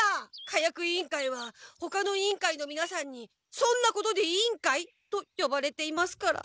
火薬委員会はほかの委員会のみなさんに「そんなことでいいんかい」とよばれていますから。